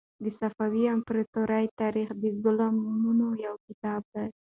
د صفوي امپراطورۍ تاریخ د ظلمونو یو کتاب دی.